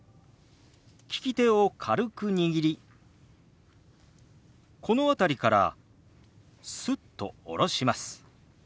利き手を軽く握りこの辺りからスッと下ろします。